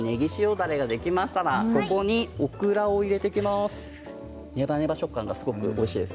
だれができましたらここにオクラを入れていきます。